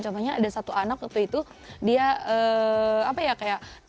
contohnya ada satu anak waktu itu dia apa ya kayak